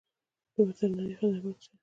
د وترنرۍ خدمات شته؟